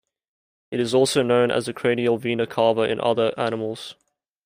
It is also known as the cranial vena cava in other animals.